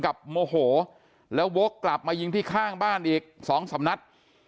โมโหแล้ววกกลับมายิงที่ข้างบ้านอีกสองสำนัด